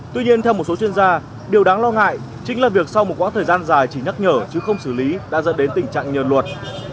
tuy nhiên theo một số chuyên gia điều đáng lo ngại chính là việc sau một quãng thời gian dài chỉ nhắc nhở chứ không xử lý đã dẫn đến tình trạng nhờn luật